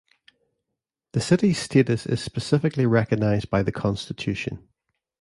The city's status is specifically recognized by the constitution.